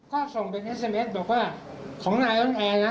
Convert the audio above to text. อ๋อเราก็เลยหลบเชื่อ